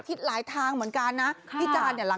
ที่หลายทางเหมือนกันนะ